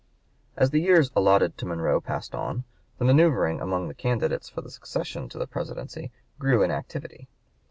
As the years allotted to Monroe passed on, the manoeuvring among the candidates for the succession to the Presidency grew in activity.